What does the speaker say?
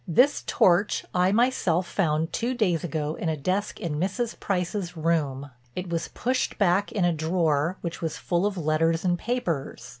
"This torch I myself found two days ago in a desk in Mrs. Price's room. It was pushed back in a drawer which was full of letters and papers.